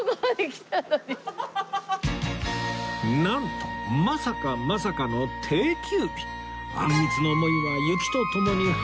なんとまさかまさかの定休日